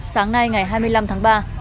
sáng nay ngày hai mươi năm tháng ba